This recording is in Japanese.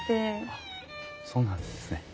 あそうなんですね。